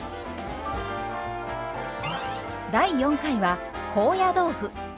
第４回は高野豆腐。